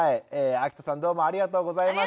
秋田さんどうもありがとうございました。